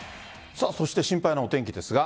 そして心配なお天気ですが。